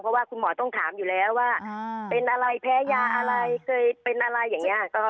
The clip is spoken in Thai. เพราะว่าคุณหมอต้องถามอยู่แล้วว่าเป็นอะไรแพ้ยาอะไรเคยเป็นอะไรอย่างนี้